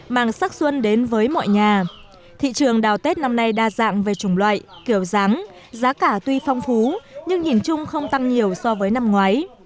mang sắc xuân đến với mọi nhà thị trường đào tết năm nay đa dạng về chủng loại kiểu dáng giá cả tuy phong phú nhưng nhìn chung không tăng nhiều so với năm ngoái